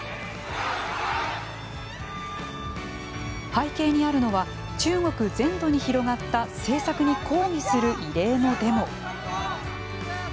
背景にあるのは中国全土に広がった政策に抗議する異例のデモ。